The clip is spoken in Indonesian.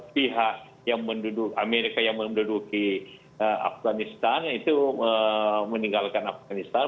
pihak yang menduduk amerika yang menduduki afganistan itu meninggalkan afganistan